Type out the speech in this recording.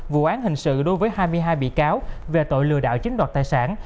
vụ án hình sự đối với hai mươi hai bị cáo về tội lừa đạo chính đoạt tài sản